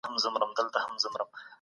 په ایټالیا کي هم بدلونونه راغلل.